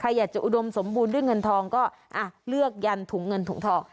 อยากจะอุดมสมบูรณ์ด้วยเงินทองก็เลือกยันถุงเงินถุงทอง